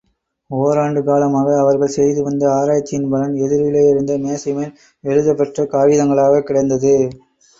ஓராண்டு காலமாக அவர்கள் செய்து வந்த ஆராய்ச்சியின் பலன் எதிரிலே இருந்த மேசைமேல், எழுதப் பெற்ற காகிதங்களாகக் கிடந்தது.